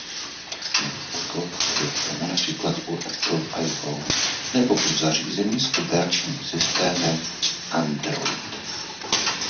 Jako je tomu například u Apple iPhone nebo u zařízení s operačním systémem Android.